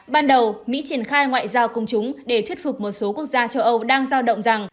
ban đầu mỹ triển khai ngoại giao công chúng để thuyết phục một số quốc gia châu âu đang giao động rằng